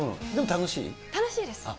楽しいです。